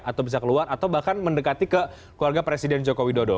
atau bisa keluar atau bahkan mendekati ke keluarga presiden joko widodo